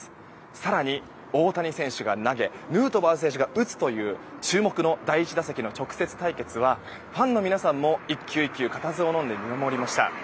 更に、大谷選手が投げヌートバー選手が打つという注目の第１打席の直接対決はファンの皆さんも１球１球固唾をのんで見守りました。